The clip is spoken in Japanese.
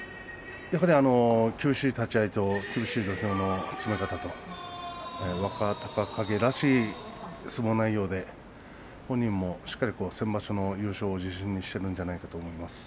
やはり厳しい立ち合いと厳しい土俵の詰め方と若隆景らしい相撲内容で本人もしっかりと先場所の相撲内容をものにしているんじゃないかと思います。